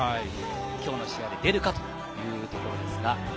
今日の試合で出るかというところです。